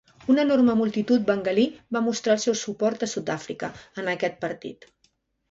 Una enorme multitud bengalí va mostrar el seu suport a Sud-àfrica en aquest partit.